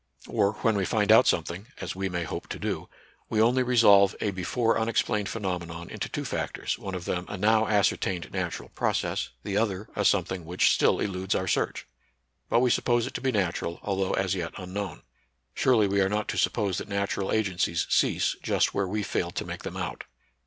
Or, when we find out something, — as we may hope to do, — we only resolve a before unexplained phenomenon into two factors, one of them a now ascertained natural process, the other a some thing which still eludes our search. But we suppose it to be natural, although as yet un known. Surely we are not to suppose that nat ural agencies cease just where we fail to make them out.